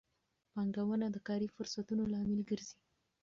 پانګونه د کاري فرصتونو لامل ګرځي.